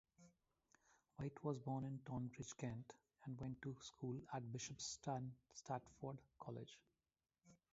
White was born in Tonbridge, Kent and went to school at Bishop's Stortford College.